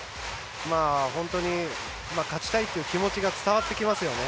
本当に勝ちたいっていう気持ちが伝わってきますよね。